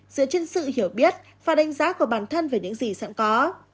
dựa trên sự hiểu biết và đánh giá của bản thân về những gì sẵn có